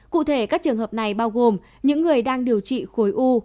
cụ thể các trường hợp này bao gồm những người đang điều trị khối u